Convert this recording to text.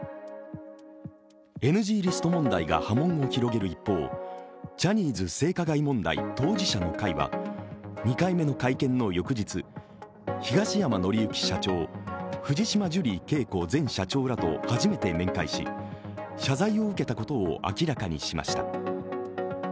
ＮＧリスト問題が波紋を広げる一方ジャニーズ性加害問題当事者の会は２回目の会見の翌日、東山紀之社長、藤島ジュリー景子前社長らと初めて面会し謝罪を受けたことを明らかにしました。